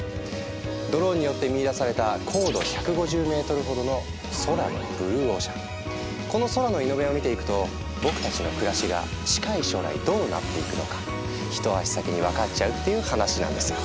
ドローンによって見いだされたこの空のイノベを見ていくと僕たちの暮らしが近い将来どうなっていくのか一足先に分かっちゃうっていう話なんですよ。